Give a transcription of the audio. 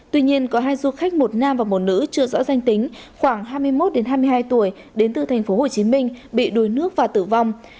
tuy nhiên có hai du khách một nam và một nữ chưa rõ danh tính khoảng hai mươi một hai mươi hai tuổi đến từ tp hcm bị đuối nước và tử vong